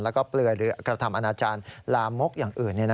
แล้วก็เปลือยหรือกระทำอนาจารย์ลามกอย่างอื่น